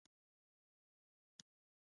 آیا د څښاک اوبه پاکې دي؟